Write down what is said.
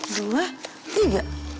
satu dua tiga